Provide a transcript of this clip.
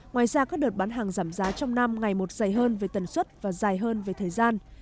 ngoài ra các đợt bán hàng giảm giá trong năm ngày một dày hơn về tần suất và dài hơn về thời gian